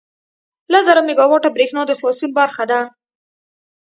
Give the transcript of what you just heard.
لس زره میګاوټه بریښنا د خلاصون برخه ده.